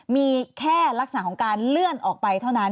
มีแค่ลักษณะของการเลื่อนออกไปเท่านั้น